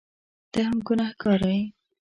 ته هم ګنهکاره یې !